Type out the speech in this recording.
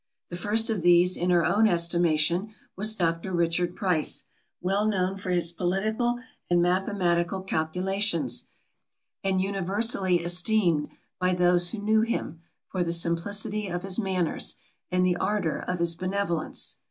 The first of these in her own estimation, was Dr. Richard Price, well known for his political and mathematical calculations, and universally esteemed by those who knew him, for the simplicity of his manners, and the ardour of his benevolence.